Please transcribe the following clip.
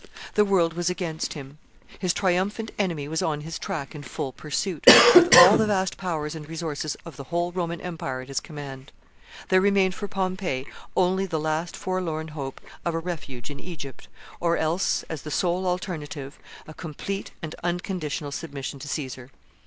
The world was against him. His triumphant enemy was on his track in full pursuit, with all the vast powers and resources of the whole Roman empire at his command. There remained for Pompey only the last forlorn hope of a refuge in Egypt, or else, as the sole alternative, a complete and unconditional submission to Caesar.